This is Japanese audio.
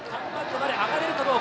上がれるかどうか。